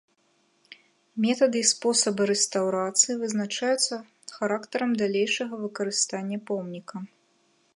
Метады і спосабы рэстаўрацыі вызначаюцца характарам далейшага выкарыстання помніка.